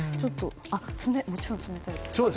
もちろん冷たい。